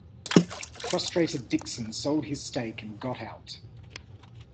A frustrated Dixon sold his stake and got out.